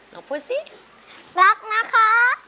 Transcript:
น้องพูดซิรักนะคะ